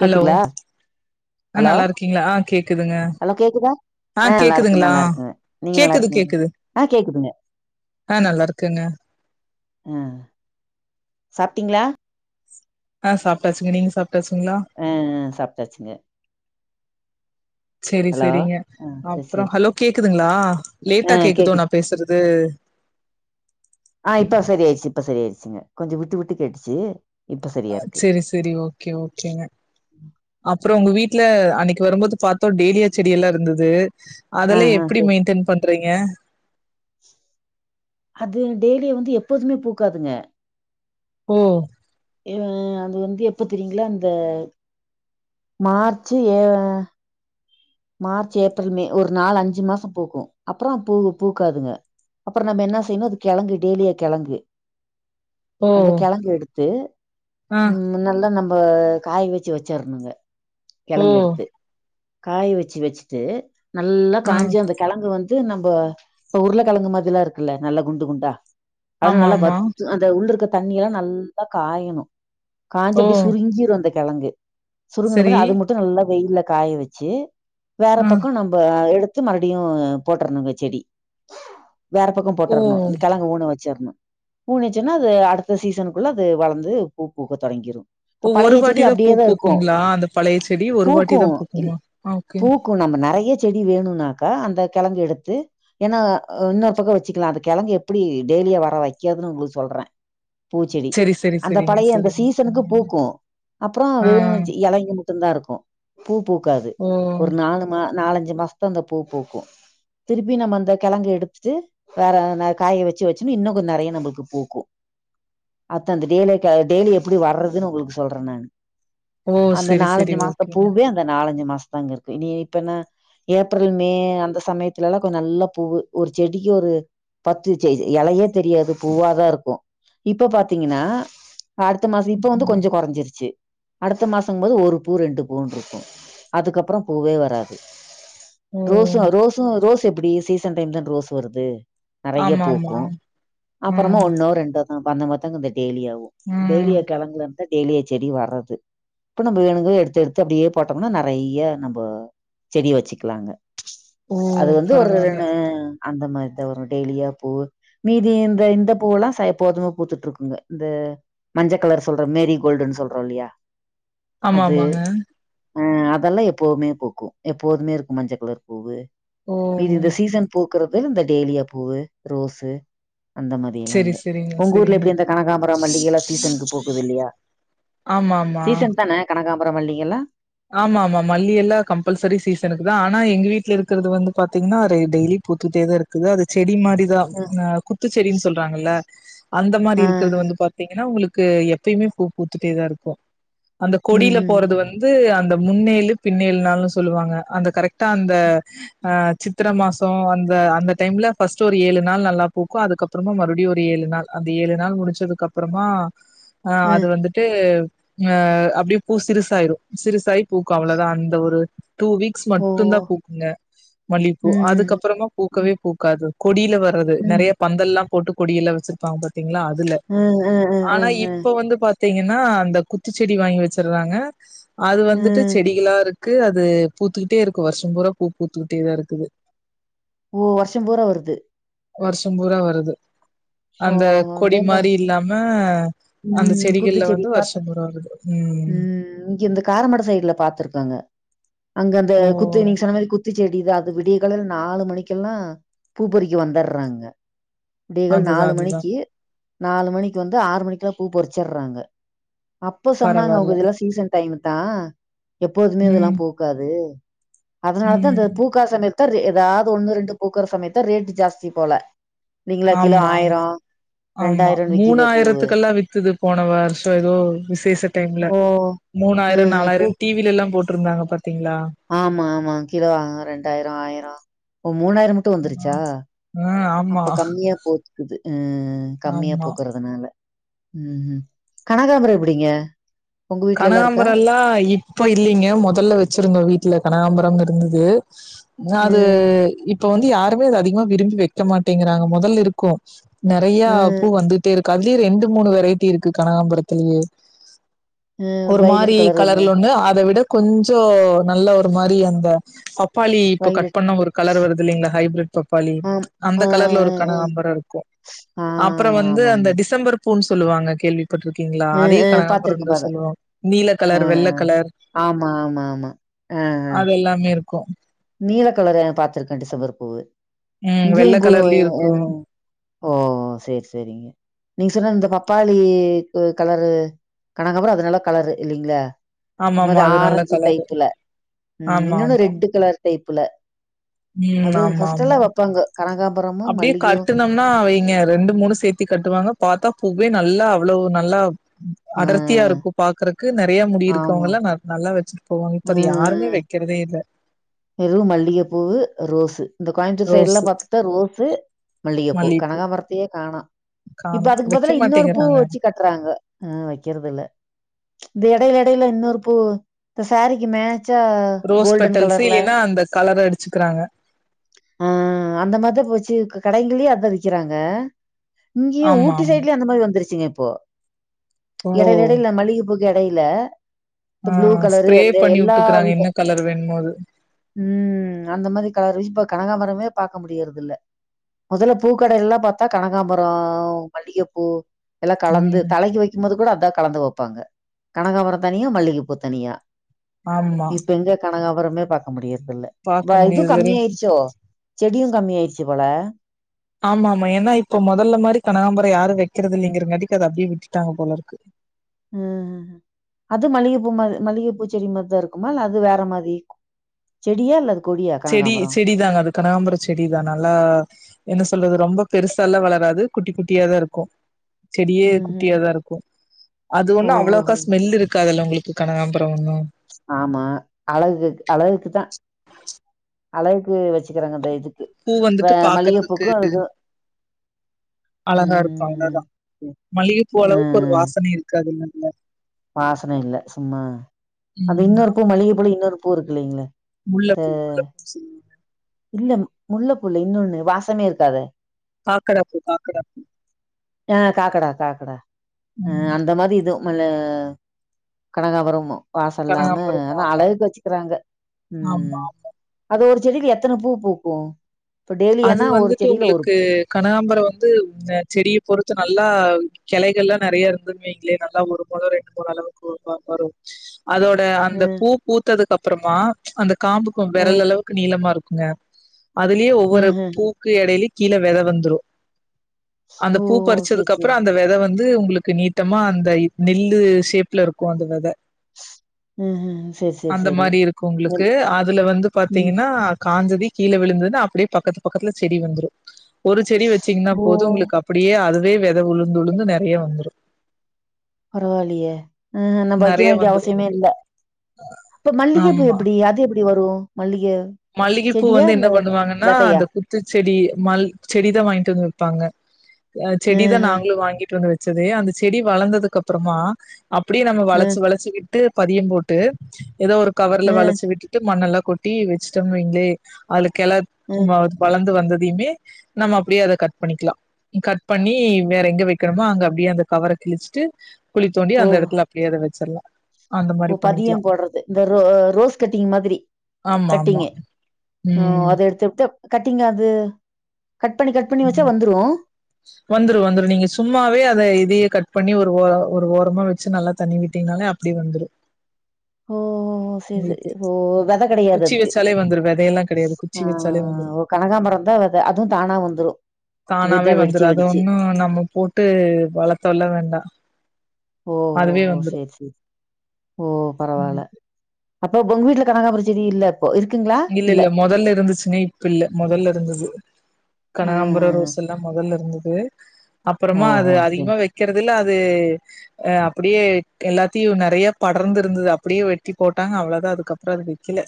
Hello ஆ hello நல்லாருக்கீங்ளா ஆ கேக்குதுங்க ஹலோ கேக்குதா ஆ நல்லா இருக்கு கேக்குதுங்களா நல்லா இருக்குங்க நீங்க நல்லா கேக்குது இருக்கீங்க கேக்குது ஆ கேக்குதுங்க ஆ நல்லாருக்கெங்க ஆ சாப்டீங்ளா? ஆ சாப்டாச்சுங்க நீங்க சாப் அ அ சாப்டாச்சுங்க செரி செரிங்க ஆ சரி அப்றொ சரி ஹலோ கேக் குதுங்ளா? ஆ லேட்டா கேக்குதோ நா கேக்குது பேசுற து ஆ இப்ப சரி ஆயிடுச்சு இப்ப சரி ஆயிடுச்சுங்க கொஞ்ச விட்டு விட்டு கேட்டுச்சு இப்ப சரியா இருக்கு சரி சரி ஓகே ஓகேங்க அப்புற உங்க வீட் வீட்ல அன்னைக்கு வரும்போது பாத்தோம் டெய்லியா செடி எல்லா இருந்தது ஆ அதெல்லா ஆ எப்டி சரி மெயின்டன் பண்ற றீங்க அது டெய்லியு வந்து எப்போதுமே பூக்காதுங்க ஓ ம் அது வந்து எப்ப தெரியுங்ளா அந்த மார்ச்சு ஏ மார்ச் ஏப்ரல் மே ஒரு நாலு அஞ்சு மாசம் பூக்கும் அப்புற பூ பூக்காதுங்க அப்புற நம்ம என்ன செய்யணு அது கெழங்கு டெய்லியா கெழங்கு ஓ அந்த கெழங்கு எடுத்து ஆ ம் நல்லா நம் இப்ப காய் வச்சு வச்சுருணுங்க ஓ கெழங்க எடுத்து காய் வச் வச்சு வச்சிட்டு நல்லா ஆ காஞ்சு அந்த கெழங்கு வந் து நம்ம இப்ப உருளக்கெழங்கு மாதி எல்லா இருக்குல்ல நல்லா குண்டு குண்டா அத ஆமா நல்லா ஆமா வத்து அந்த உள்ளுருக்க தண்ணி எல்லா நல்லா காயணு காஞ்சு ஓ அப்டி சுருங்கிரும் அந்த கெழங்கு சரி சுருங்கினதுமே அது மட்டு நல்லா வெயில்ல காய வச்சு வேற ஆ பக்கம் நம்ப எடுத் தும் மறுபடியு போட்டுறனுங்க செடி வேற பக்கம் ஓ போட்றணு அந்த கெழங்கு ஊன வச்சற்ணு ஊனிவச்சோன்னா அது அடுத்த சீசனுக்குள்ள அது வளந்து பூ பூக்க தொடங்கிரும் ஓ ஒரு வாட்டி தா பூ பூக்குங்ளா அந்த பழய செடி ஒரு வாட்டி தா பூக்கும் இல் பூக்குமா ஆ பூக்கும் நாம நா நெறைய செடி வேணுனாக்கா அந்த கெழங்கு எடுத்து ஏன்னா இன்னொரு பக்கம் வச்சுக்கலாம் அந்த கிழங்கு எப்டி டெய்லியா வர வைக்கிறதுன் உங்களுக்கு சொல்றே பூச்செடி செரி செரி அந்த செரிங்க பழய அந்த செரிங்க சீசனுக்கு பூக்கும் அப்புற ஆ வெறு இலைங்க மட்டு தா இருக்கும் பூ பூக்காது ஓ ஒரு நாலு மா நாலஞ்சு அஞ்சு மாசதா அந்த பூ பூக்கு திருப்பி நம்ம அந்த கெழங்கு எடுத்துட்டு வேற காய வச்சு வச்சுன் இன்னு கொஞ்சோ நெறைய நம்மளுக்கு பூக்கு அத்தா அந்த ட் டெய்லி எப்டி வர்றதுன்னு உங்களுக்கு சொல்றே நா ஓ அந்த செரி செரி நாலஞ்சு மாசோ ஓகேங்க பூவே அந்த நாலஞ்சு மாசோ ங்க இருக்கு இது இப்பன்னா ஏப்ரல் மே அந்த சமயத்துல எல்லா கொஞ்சோ நல்லா பூ ஒரு செடிக்கு ஒரு பத்து எலயே தெரியாது பூவாதா இருக்கு இப்ப பாத்தீங்கன்னா அடுத்த மாச இப்ப வந்து ம். கொஞ்சோ கொறஞ்சிருச்சு அடுத்த மாசங்க போது ஒரு பூ ரெண்டு பூன்ணு பூக்கு அதுக்கப்பறோ பூவே வராது ஓ ரோச ரோசு ரோசு இது எப்டி சீசன் டைம் தானே ரோஸ் வருது நெறைய ஆமா ஆமா பூக்கு அப்புறமா ம் ஒன்னோ ரெண்டோ ஆ பந்த மத்தங்க டெய்லியாகு டெய்லிய ம் கிளங்கள டெய்லிய செடி வரது இப்ப நம்ம வேணங்குறத எடுத்து எடுத்து அப்படியே போட்டோம் னா நெறைய நம்ம செடி வச்சுக்கலாங்க ஓ அது வந்து பரவால்ல ஒருனு அந்த மாதிரிதா வரு டெய்லியா பூ மீதி இந்த இந்த பூவுெல்லா ச போதும பூத்துட்டு இருக்குங்க இந்த மஞ்சள் கலர் சொல்ற மேரி கோல்டுன்னு சொல்றோ இல்லையா ஆமா ஆமாங்க அதெல்லா எப்போவுமே பூக்கு எப்போதுமே இருக்கு மஞ்சள் கலர் பூவு ஓ மீதி இந்த சீசன் பூ பூக்குறது இந்த டெய்லியா பூவு ரோஸு அந்த மாதிரி செரி எல்லாம்ங்க செரிங்க உங்க ஊர்ல செரிங்க எப்டி இருந்த கனகாம்பரம்மல்லிக எல்லா சீசனுக்கு போகுது இல்லையா ஆமா ஆமா சீசன் தானே கனகாம் அப்புறோ மல்லிக லா ஆமா ஆமா மல்லி எல்லா கம்பல்சரி சீசன்குதா ஆனா எங்க வீட்டுல இருக்கிறது வந்து பாத்தீங்கன்னா அரே டெய்லி பூத்துட்டேதா இருக்குது அது செடி மாரி இதா குத்துச்செடின்னு சொல்றாங்கல்ல அந்த ஆ மாதிரி இருக்கறது வந்து பாத்தீங்கன்னா உங்களுக்கு க்கு எப்பயுமே பூ பூத்துட்டேதா இருக்கு அந்த ம் கொடியில ம் போறது வந்து து அந்த முன்னேழு பின்னேழு நாளுனு சொல்லுவாங்க அந்த கரெக்டா அந்த அ சித்திர மாசோ அந்த அந்த டைம்ல பஸ்ட் ஒரு ஏழு நாள் நல்லா பூக்கு அதுக்கப்புறமா மறுபடியு ஒரு ஏழு நாள் அந்த ஏழு நாள் முடிச்சதுக்கு அப்புறமா ஆ அது ம். வந்துட்டு அ அப்டியே பூ சிரிசாயிரு சிறுசாயி பூக்கு அவளோதா அந்த ஒரு டூ வீக்ஸ் மட்டு ஓ தா பூக்குங்க மல்லிப்பூ ம்ஹ்ம். அதுக்கப்புறமா ம். பூக்கவே ம். பூக்காது கொடியில வர்றது நெறைய பந்தல்லாம் போட்டு கொடியில வச்சிருப்பாங்க பாரு பாத்திங்களா அதுல ம். ம். ம். ஆனா ம். ம். இப்ப வந்து பாத் பாத்தீங்கன்னா அந்த குத்துச்செடி வாங்கி வச்சிடுறாங்க அது வந்துட்டு ம். செடிகளா இருக் க்கு அது பூத்துக்கிட்டே இருக்கும் வருஷம் பூரா பூ பூத்துக்கிட்டே தா இருக்குது ஓ வருஷம் பூரா வருது வருஷம் பூரா வருது ஓ! அந்த அந்த கொடி இந்த மாரி இல்லாம ஆ ம் குத்துச்சேடி பாத்து ம் இங்க இந்த காரமட சைடுல பாத்துருக்கேங்க அங்க அந்த ஓ குத்தி நீங்க சொன்ன மாரி குத்தி செடி தா அது விடிய காலைல நாலு மணிக்கெல்லாம் பூ பறிக்க வந்துடுறாங்க விடிய கால் அதுதா நாலு அதுதா மணிக்கு நாலு மணிக்கு வந்து ஆறு மணிக் பூ பொறிச்சிடுறாங்க அப்போ சொன்னாங்க உங்க பரவால்ல இதெல்லாம் சீசன் டைம்னு தா எப்போதுமே ம் இதெல்லாம் பூக்காது அதனால தா அந்த ம் பூக்காசம் ஏதாது ஒண்ணு ரெண்டு பூக்குற சமயத்ல ரேட் ஜாஸ்தி போல இல்லைங்களா கிலோ ஆமா ஆமா ஆமா ரெண்டாயிரம்னு விக்குதே பூவு மூணாயிரத்துக்கெல்லாம் விக் து போன வருசம் ஏதோ விசேஷ டைம்ல ஓ மூணாயிரம் ம் பூ நாலாயிரம் டிவில எல் போட்டிருந்தாங்க ப ஆமா ஆமா கிலோ அ ரெண்டாயிரம் ஆயிரம் மூணாயிரம் மட்டும் ஆ வந்துருச்சா ஆ ஆமா அப்ப கம்மியா போது து ஆ ஆ கம்மியா ஆமா பூக்குறதுனால ம்ம் கனகாமர எப்டிங்க உங்க வீட்லல்லா இருக்கா கனகாம்பர எல்லா இப்ப இல்லலங்க முதல்ல வச்சிருந்தோ வீட் வீட்ல கனகாம்பரம்னு இருந்தது அது ம் இப் தோழி இப்ப வந்து யாருமே அது அதிகமா விரும்பி வைக்க மாட்டேங்கிறாங்க முதல்ல இருக்கும் நெறைய ம் பூ வந்துட்டே இருக் கதர் ரெண்டு மூணு வெரைட்டி இருக்கு கனகாம்புரத்துலயே ம் ஒரு மாரி வைலட் கலர் கலர்ல ஒண்ணு அத விட கொஞ்சோ நல்ல ஒரு மாரி அந்த அப் பப்பாளி இப்போ கட் வைலட் பண்ண ஒரு கலர் வருது இல்லங்களா ஹைபிரிட் பப்பாளி ஆம் அந்த ஆ ஆ கலர்ல ஆ ஒரு ம் கனகாம்பர இருக்கு ஆ அப்பறம் வந்து அந்த ஆமாமா டிசம்பர் பூன்னு சொல்லுவாங்க கேள்வி பட்ருக்கீங்களா அதையும் கனகம்பறம்ந்தா சொல்லுவாங்க நீல கலர் வெள்ள அஅ கலர் ஆமா ஆமா ஆமா அஅ அது எல்லாமே இருக்கு எ நீல கலர் பாத்திருக்கே டிசம்பர் பூவு அ வெள்ள இங்கேயு கு கலர்லயு இருக்கு ஆ ஓ சேரி சேரிங்க நீங்க சொன்ன இந்த பப்பாளி கலரு கணக்க அது நல்ல கலரு இல்லிங்களா ஆமா மொத ஆமா அது நல்ல ஆரஞ்சு கலரு டைப்புல ஆமா இன்னொன்னு ஆமா ரெட்டு் கலர் ப்புல ம் அது ஆமா ப்ர்ஸ்ட் எல்லா ஆமா வப்பாங்க கனகாம்பரமும், அப்டியே மல்லிகையும் கட்டுனோம்னா அவங்க ரெண்டு மூணு சேத்தி கட்டுவாங்க பாத்தா பூ அதுவே நல்லா அவ்வளவு நல்லா அ அடர்த்தியா இருக்கு பாக்குறதுக் க்கு நெறைய முடி ஆமா. இருக்குவங்கலா ந நல்லா வச்சு இப்பம் இப்ப அது யாருமே வக்கிறதே இல்ல வெறு மல்லிகப்பூவு ரோஸ் இந்த கோயும்புத்தூர் சைடு எல்லா ரோஸு பாத்துட்டா ரோஸ் இது மல்லிகப்பூ மல்லிப்பூ கனகாம்பரத்தயே காணா இப்ப காணோ அதுக்கு வைக்க பதிலா இன்னொரு பூ மாட்டேங்கிறாங்க வச்சு கட்டுறாங்க ம் வக்கறது இல்ல இந்த இடையல இடையல இன்னொரு பூ இந்த சாரிக்கு மே ச்ச கோல்டன் கலர் ன அந்த கலர அடிச்சுக்கறாங்க கடைங்களிலயே அதா விக்கிறாங்க இங்கேயு ஆமா ஊட்டி ஆமா சைட்டுலையு அந்த மாரி வந்துருச்சுங்க போ ஓ எடையிடையல மல்லிக பூ எடையல ஆ ஸ்ப்ரே பண்ணி விட்டுக்கறாங்க வித என்ன கலர் வேணும்போது ம் அந்த மாதிரி கலருல இப்ப கனகாம்பரமே பாக்க முடியறது இல்ல மொதல்ல பூக்கடை எல்லா பாத்தா கனகாம்பரம் மல்லிகைப்பூ எல்லா கலந்து ம் தலைக்கு வைக்கும் போது கூட அதா கலந்து வைப்பாங்க கனகாம்பரம் தனியா மல்லிகைப்பூ தனியா ஆமா இப்ப எங்க கனகாம் பரமே பாக் க. முடியாத் இப்ப பாக்க இது முடியறதுல கம்மிய ஆயிருச்சோ செடியு கம்மி ஆயிடுச்சு போல ஆமா ஆமா ஏன்னா இப்ப மொதல்ல மாரி கனகாம்பர யாரு வைக்கறது இல்லைங்கறங்காட்டிக்கு அதை அப்டியே விட்டுட்டாங்க போல இருக்கு ம் ம் அது மல்லிகைப்பூ மா மல்லிகைப்பூ செடி மாதி தா இருக்குமா அது வேற மாரி இருக்குமா செடியா அல்லது செடி செடிதாங்க அது கனகாம்பர செடி தா நல்லா என்ன சொல்றது ரொம்ப பெருசால்லா வளராது குட்டி குட்டியாதா இருக்கோ செடியே ம்ஹ்ம். குட்டியாதா இருக்கும் அது ஒண்ணு அவ்வளக்கா ஓஹோஹோ! ஸ்மெல் இருக்காதுெல்ல உங்களுக்கு கனகாம்பர ஒன்னு ஆமா அழகுக் அழகுக்குத்தா அழகுக்கு வச்சு பூ வந்துட்டு பாக்கறதுக்கு அதுக்கும் அழகா இருக்கோ ம். அவ்ளதா ம். மல்லிகைப்பூ அளவுக்கு ஒரு வாசனை இருக்காதுல்ல வ் வாசன இல்ல சும்மா அப்ப இன்னொரு பூ மல்லிகை போல இன்னொரு பூ பூ இருக்கு இல்லைங்களா இந்த முல்லபூ முல்லபூ ச இல்ல முல்லபூ இன்னொன்னு வாசமே இருக்காத காக்கடப்பூ காக்கடப்பூ ஆ காக்கடா காக்கடா பூ ஆ ம் அந்த மாதி இதுவு நல்ல கனகாபுரம் வாச இல்லாம கனகாம்பரம் ஆனா ஆமா ஆமா அழகுக்கு வச்சுக்கறாங்க ம் ஆமா. அது ஒரு செடியல எப் எத்தன பூ பூக்கும் இப்ப அது டெய்லியானா ஒரு வந்துட்டு செடியில ஒரு உங்களுக்கு கனகாம்பர வந்து செடியை பொறுத்து நல்லா கெளைகள் லா நெறைய இருந்துக்குவீங்களே நல்லா ஒரு மழ ரெண்டு முழ அளவுக்கு வரு அதோட அந்த ம், பூ பூத்ததுக் அப் அப்புறமா அந்த காம்புக்கும் ம், வெரல் அளவுக்கு நீளமா இருக்கு ங்க அதுலயே ஒவ்வொரு ம்ஹ்ம். பூக்கு எடலி கீழே வெத வந்துரு அந்த ஓ! பூ சரி, பறிச்சதுக்கு அப்புற சரி. அந்த வெத வந் வந்து உங்களுக்கு நீட்டம்மா அந்த இ நெல்லு ஷேப்ல இருக்கு அந்த வெத ம்ஹ்ம். சரி, சரி, அந்த சரி. மாரி இருக்கு உங்களுக்கு ம். அதுல வந்து ம். பாத்தீங்கன்னா காஞ்சதி கீழ விழுந்தது அப்டியே பக்கத் பக்கத்துல செடி வந்துரு ஒரு செடி வச்சீங்கன்னா ஓ! போது உங்களுக்கு அப்டியே அது ஒரே வெத உளுந்து உளுந்து நெறைய வந்துரு பரவால்லியே ஆ நம்ப வைக்க நெறைய வேண்டிய வந்துரு அவசியமே உங்களுக்கு இல்ல அப்ப மல்லிகை பூ ஆமா எப்டி அது எப்டி வரு மல்லிக மல்லிகைப்பூ வந்து என்ன பண்ணுவாங்கன்னா அந்த குத்துச்ச செடி மல் செடிதா வாங்கிட்டு வந்து தங்க ஆ செடி தா ம்ஹ்ம். நாங்களும் வாங்கிட்டு வந்து வச்ச வச்சது அந்த செடி வளந்ததுக்கு அப்புறமா அப்டியே நம்ம ம். வளச்சுவளச்சு விட் ட்டு பதியம் போட்டு ஏதோ ஒரு கவர்ல ம். வளைச்சு விட்டுட்டு மண்ணெல்லா கொட்டி வெ ச்சிட்டோன்னு வைங்களே அதுல கெள ஒரு ம். மார வளந்து வந்த தீமே நம்ம அப்படியே அத கட் பண்ணிக்கலா. ம் கட் பண்ணி வேற எங்க வைக்கணுமோ அங்க அப்டியே அந்த கவர கிழிச்சுட்டு குழி தோண்டி ஓ! அந்த எடத்துல அப்டியே அத வச்சிரலா ஓ பதியோ போடுறது இந்த ரோ ரோஸ் கட்டிங் மாதிரி ஆமா ஆமா கட்டிங் கு ஆ ம் அத எடுத்துட்டு கட்டிங் அது கட் பண்ணி கட் பண்ணி வச்சா வந்துரு வந்துரு வந்துரு நீங்க சும்மாவே அத இதையே கட் பண்ணி ஒரு ஓ ஒரு ஓரமா வச்சு நல்லா தண்ணி விட்டீங்கனாலே அப்டி வந்துரு ஓ ஓ செரி செரி உங்களுக்கு ஓ வெத கெடையாது குச்சி அதுக்கு வச்சாலே வந்துரு வெதையெல்லா கெடையாது குச்சி ஆ வச்சாலே ஆ வந்துரு ஓ கனகாம்பரோந்தா வெத அதுவு தானா வந்துரு வித வெடி துரு அத ஒன்னு நம்ம போட்டு வளத்தல்ல வேண்டா ஓ ஓ அதுவே ஓ வந்துரு சேரி சேரி ஓ பரவால்ல அப்ப உங்க வீட்ல கனகாம்பர செடி இல்ல இல்ல இல்ல மொதல்ல இருந்துச்சுங்க இப்ப இல்ல மொதல்ல இருந்துது அ கனகாம்பரோ அ ரோஸ் எல்லா மொதல்ல இருந்துது துவே அப்புறமா ஓஹோ! அது சரி. அதிகமா வைக்கிறது இல்ல அது அது ஆ அப்பிடியே எல்லாத்தையு நெறைய படர்ந்து இருந்தது அப்படியே வெட்டி போட்டாங்க அவ்ளவுதா அதுக்கப்புறோ அத வெக்கில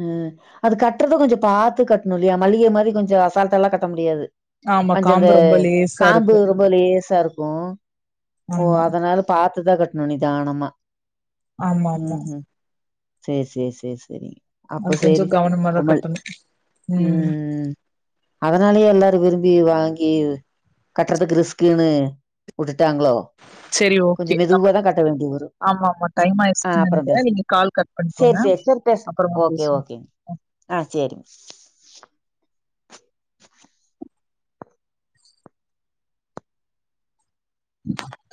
ம் அது கட்றது கொஞ்ச பாத்து கட்ணு இல்லயா மல்லிகை மாரி கொஞ்ச அசால்ட்டா எல்லா கட்ட முடியாது ஆமா கொஞ்ச அந்த காம்பு ரொம்ப லேசா காம்பு இருக்கு ரொம்ப லேசா இருக்கு ஓ ஆமா அதனால பா த்துதா கட்ணு நிதானமா ஆமா ஆமா சேரி சேரி சேரி சேரி அது அப்ப கொஞ்சோ சேரி கவனமாதா உமல் கட்டணு ம் அதனாலயே எல்லாரு விரும்பி வாங்கி ஈவு கட்றதுக்கு ரிஸ்க்குனு வுட்டுட்டாங்ளோ சரி கொஞ்ச ஓகே நம்ம மெதுவா தா கட்ட வேண்டிய வரு ஆமா ஆமா டைம் ஆ ஆயிடுச்சுன்னு அப்பற நெனைக்கிறே பேச நீங்க கால் கட் பண்ணிக்கோங்க சேர் சேர் செரி பேச அப்புறமா ஓகே பேசுவோம். ஓகேங்க ஆ சேரிங்க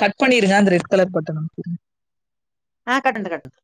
கட் பண்ணிருங்க அந்த ரெட் கலர் பட்டன் அமுக்கிருங்க ஆ கட்டன்த கட்டன்த